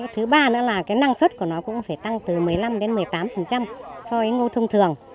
thứ ba là năng suất của nó cũng phải tăng từ một mươi năm một mươi tám so với ngô thông thường